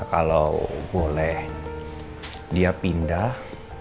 kalau boleh dia pindah